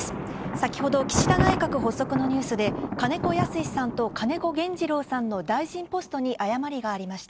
先ほど岸田内閣発足のニュースで、金子恭之さんと金子原二郎さんの大臣ポストに誤りがありました。